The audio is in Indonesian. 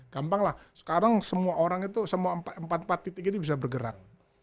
gampang lah sekarang semua orang itu semua empat empat titik ini bisa bergerak